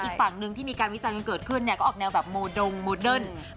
อีกฝั่งนึงที่มีการวิจารณ์กันเกิดขึ้นเนี่ยก็ออกแนวแบบโมดงโมเดิร์น